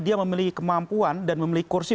dia memiliki kemampuan dan memiliki kursi